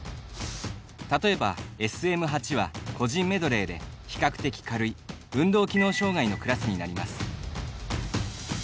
例えば、ＳＭ８は個人メドレーで比較的軽い運動機能障がいのクラスになります。